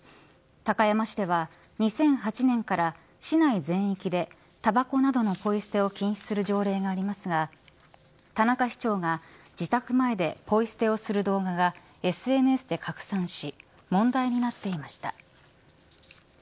高山市では２００８年から市内全域で、たばこなどのポイ捨てを禁止する条例がありますが田中市長が自宅前でポイ捨てをする動画がＳＮＳで拡散し問題になっていました。